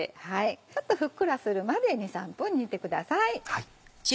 ちょっとふっくらするまで２３分煮てください。